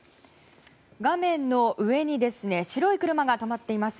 画面の上に白い車が止まっています。